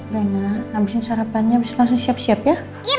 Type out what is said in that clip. rena abisin sarapannya abis itu langsung siap siap ya